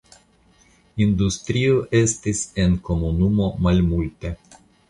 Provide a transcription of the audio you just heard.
Industrio estis en komunumo malmulte.